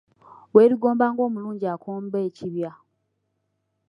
Weerigomba ng'omulungi akomba ekibya.